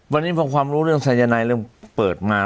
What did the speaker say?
วันนี้พอความรู้เรื่องสายนายเรื่องเปิดมา